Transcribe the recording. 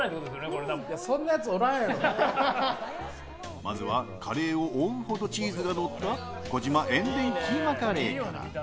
まずはカレーを覆うほどチーズがのった児島塩田キーマカレーから。